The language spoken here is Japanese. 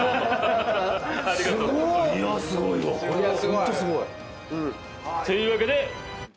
ホントすごい。というわけで。